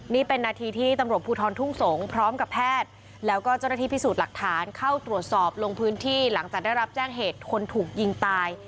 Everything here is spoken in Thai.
นี่เป็นนาทีที่ตำรวจภูทรทุ่งสงศ์พร้อมกับแพทย์แล้วก็เจ้าหน้าที่พิสูจน์หลักฐานเข้าตรวจสอบลงพื้นที่หลังจากได้รับแจ้งเหตุคนถูกยิงตาย